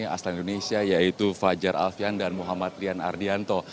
asal indonesia yaitu fajar alfian dan muhammad rian ardianto